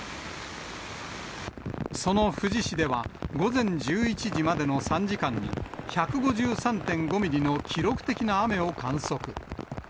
その富士市では、午前１１時までの３時間に、１５３．５ミリの記録的な雨を観測。